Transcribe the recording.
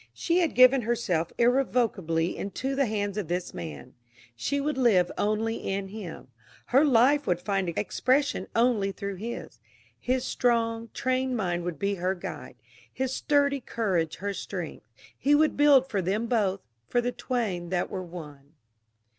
She had given herself irrevocably into the hands of this man. She would live only in him. Her life would find expression only through his. His strong, trained mind would be her guide, his sturdy courage her strength. He would build for them both, for the twain that were one.